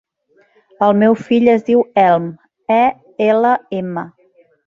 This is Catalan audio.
El meu fill es diu Elm: e, ela, ema.